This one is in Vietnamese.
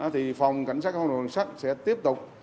thì phòng cảnh sát công an tp sẽ tiếp tục